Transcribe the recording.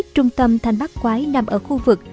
trung tâm thanh bác quái nằm ở khu vực